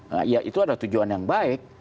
nah ya itu adalah tujuan yang baik